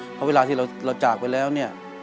เพราะเวลาที่เราจากไปแล้วเนี่ย